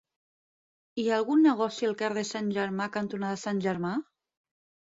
Hi ha algun negoci al carrer Sant Germà cantonada Sant Germà?